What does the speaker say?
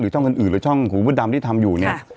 ช่องอื่นหรือช่องหูมดดำที่ทำอยู่เนี่ย